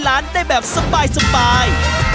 ร้านได้แบบสบายสบาย